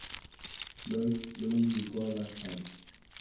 Lloyd luego implicó a la Sra.